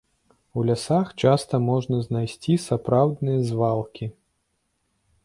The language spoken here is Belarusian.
У лясах часта можна знайсці сапраўдныя звалкі.